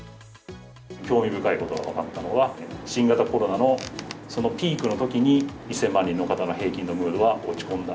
興味深いことが分かったのは、新型コロナのそのピークのときに、１０００万人の方の平均のムードは落ち込んだ。